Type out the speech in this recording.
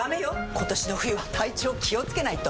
今年の冬は体調気をつけないと！